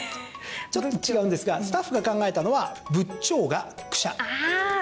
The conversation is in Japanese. ちょっと違うんですがスタッフが考えたのは仏頂がクシャ。